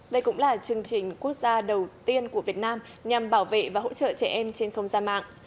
đây cũng là chương trình quốc gia đầu tiên của việt nam nhằm bảo vệ và hỗ trợ trẻ em trên không gian mạng